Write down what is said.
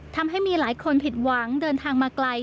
ทำให้มีหลายคนผิดหวังเดินทางมาไกล